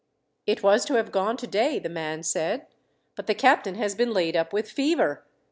"It was to have gone today," the man said, "but the captain has been laid up with fever.